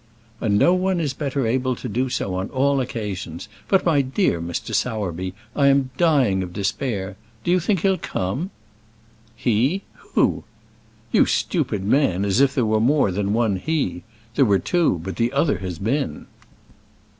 "And no one is better able to do so on all occasions. But, my dear Mr. Sowerby, I am dying of despair. Do you think he'll come?" "He? who?" "You stupid man as if there were more than one he! There were two, but the other has been."